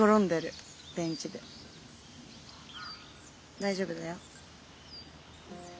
大丈夫だよ。